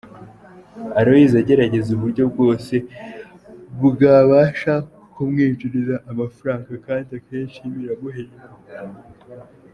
Aloys agerageza uburyo bwose bwabasha kumwinjiriza amafaranga kandi akenshi biramuhira.